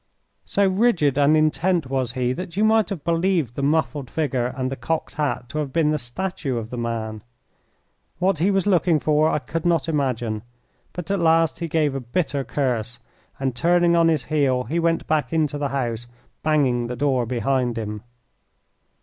So rigid and intent was he that you might have believed the muffled figure and the cocked hat to have been the statue of the man. What he was looking for I could not imagine; but at last he gave a bitter curse, and, turning on his heel, he went back into the house, banging the door behind him.